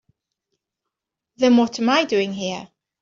Then what am I doing here?